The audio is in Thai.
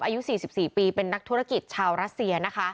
อายุ๔๔ปีเป็นนักธุรกิจชาวรัสเซียนะคะ